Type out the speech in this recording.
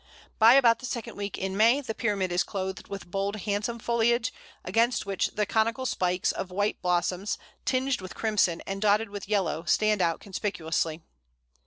By about the second week in May the pyramid is clothed with bold handsome foliage, against which the conical spikes of white blossoms, tinged with crimson and dotted with yellow, stand out conspicuously.